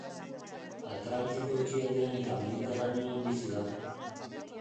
Atlantiko ekialdean eta Mediterraneoan bizi da.